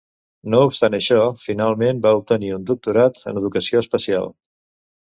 No obstant això, finalment va obtenir un doctorat en Educació Especial.